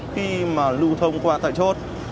khi mà lưu thông qua tại chốt